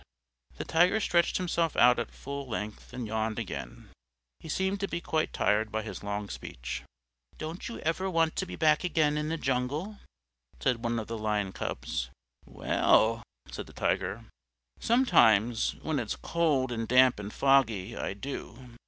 The Tiger stretched himself out at full length and yawned again; he seemed to be quite tired by his long speech. "Don't you ever want to be back again in the jungle?" said one of the Lion Cubs. "Well," said the Tiger, "sometimes, when it's cold and damp and foggy, I do.